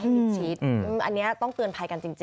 มิดชิดอันนี้ต้องเตือนภัยกันจริง